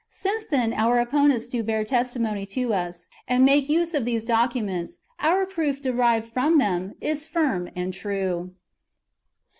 Since, then, our opponents do bear testimony to us, and make use of these [documents], our proof derived from them is firm and true.